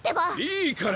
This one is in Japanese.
いいから！